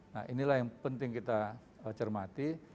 nah inilah yang penting kita cermati